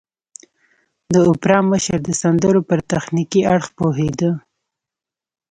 د اوپرا مشر د سندرو پر تخنيکي اړخ پوهېده.